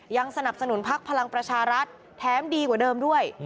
ยังสนับสนุนพักพลังประชารัฐแถมดีกว่าเดิมด้วย